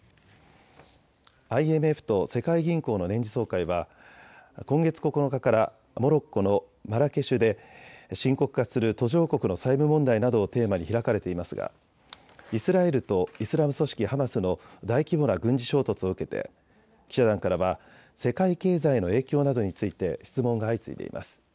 ＩＭＦと世界銀行の年次総会は今月９日からモロッコのマラケシュで深刻化する途上国の債務問題などをテーマに開かれていますがイスラエルとイスラム組織ハマスの大規模な軍事衝突を受けて記者団からは世界経済への影響などについて質問が相次いでいます。